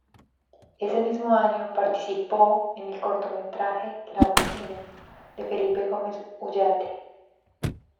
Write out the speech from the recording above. Ese mismo año participó en el cortometraje "La Bocina" de Felipe Gómez-Ullate.